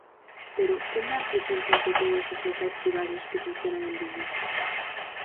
Pero ¿quen dá as licenzas de todos os locais privados que funcionan en Vigo?